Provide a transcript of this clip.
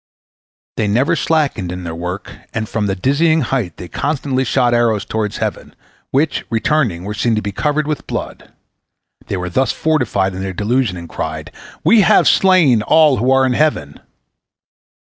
They never slackened in their work, and from their dizzy height they constantly shot arrows toward heaven, which, returning, were seen to be covered with blood. They were thus fortified in their delusion, and they cried, "We have slain all who are in heaven."